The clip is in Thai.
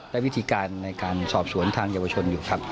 และวิธีการในการสอบสวนทางเยาวชนอยู่ครับ